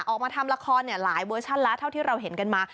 ออกมาทำละครหลายเวอร์ชั่นแล้วเท่าที่เราเห็นกันมา